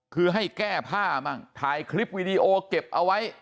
คือให้แก้ผ้ามั่งถ่ายคลิปวีดีโอเก็บเอาไว้